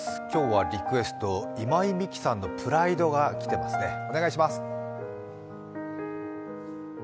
今日はリクエスト、今井美樹さんの「ＰＲＩＤＥ」が来てますね。